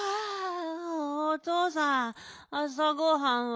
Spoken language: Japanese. おとうさんあさごはんは？